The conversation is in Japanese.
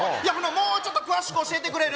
もうちょっと詳しく教えてくれる？